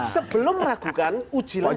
sebelum ragukan ujilah dulu